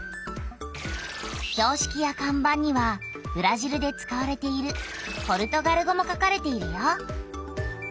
ひょうしきやかん板にはブラジルで使われているポルトガル語も書かれているよ。